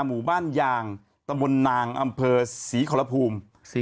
หมู่บ้านยางตะบนนางอำเภอศรีขอรภูมิ